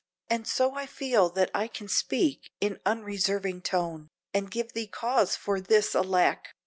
And so I feel that I can speak in unreserving tone, And give thee cause for this alack!